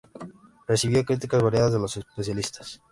Recibió críticas variadas de los especialistas.